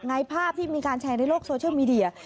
ภาพที่มีการแชร์ในโลกโซเชียลมีเดีย